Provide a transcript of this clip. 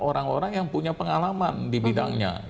orang orang yang punya pengalaman di bidangnya